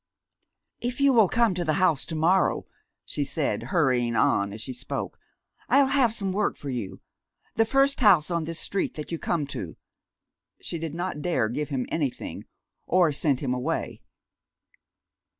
"If you will come to the house to morrow," she said, hurrying on as she spoke, "I'll have some work for you. The first house on this street that you come to." She did not dare give him anything, or send him away.